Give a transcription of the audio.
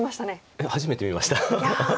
いや初めて見ました。